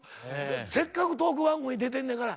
せっかくトーク番組出てんねんから。